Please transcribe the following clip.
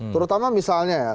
terutama misalnya ya